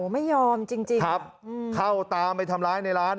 ไม่ยอมจริงครับเข้าตามไปทำร้ายในร้าน